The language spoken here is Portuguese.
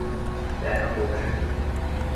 Terra Roxa